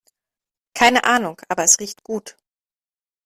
Keine Ahnung, aber es riecht gut.